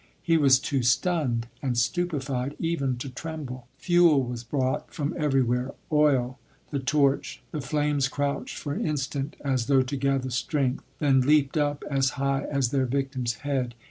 He was too stunned and stupefied even to tremble. Fuel was brought from everywhere, oil, the torch; the flames crouched for an instant as though to gather strength, then leaped up as high as their victim's head.